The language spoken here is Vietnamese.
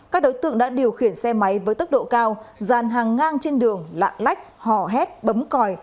các đối tượng đã điều khiển xe máy với tốc độ cao dàn hàng ngang trên đường lạc lách hò hét bấm còi